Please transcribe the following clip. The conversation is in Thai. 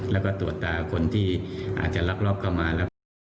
แล้วก็ตรวจตาคนที่อาจจะลักลอบเข้ามาแล้วก็